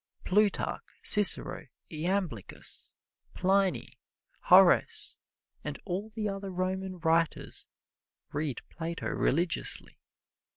Plutarch, Cicero, Iamblichus, Pliny, Horace and all the other Roman writers read Plato religiously.